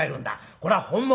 これは本物」。